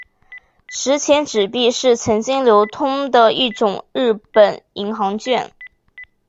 十钱纸币是曾经流通的一种日本银行券。